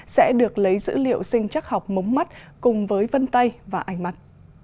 sẽ được lấy dữ liệu sinh chắc học mống mắt cùng với vân tay và ánh mắt